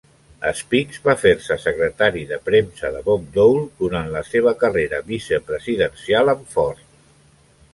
Speakes va fer-se secretari de premsa de Bob Dole durant la seva carrera vicepresidencial amb Ford.